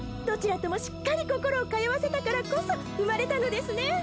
どちらともしっかり心を通わせたからこそ生まれたのですね！